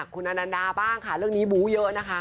คุณอนันดาบ้างค่ะเรื่องนี้บู้เยอะนะคะ